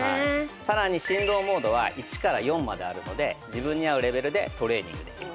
さらに振動モードは１から４まであるので自分に合うレベルでトレーニングできます。